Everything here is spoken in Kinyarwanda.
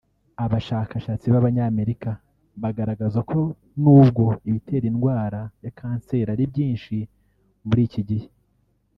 Abashakashatsi b’Abanyamerika bagaragaza ko nubwo ibitera indwara ya kanseri ari byinshi muri iki gihe